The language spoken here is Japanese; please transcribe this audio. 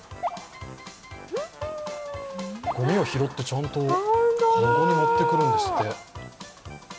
ごみを拾って、ちゃんと籠に持ってくるんですって。